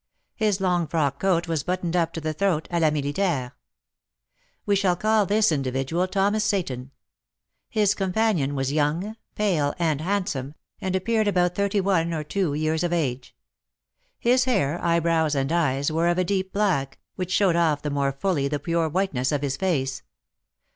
His long frock coat was buttoned up to the throat, à la militaire. We shall call this individual Thomas Seyton. His companion was young, pale, and handsome, and appeared about thirty one or two years of age. His hair, eyebrows, and eyes were of a deep black, which showed off the more fully the pure whiteness of his face.